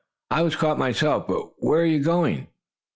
I was caught myself. But where are you going?"